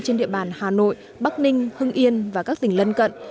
trên địa bàn hà nội bắc ninh hưng yên và các tỉnh lân cận